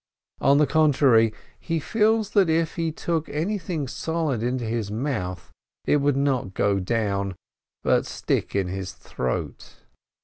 On the contrary, he feels that if he took anything solid into his mouth, it would not go down, but stick in his throat.